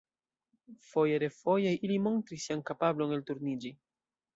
Foje-refoje ili montris sian kapablon elturniĝi.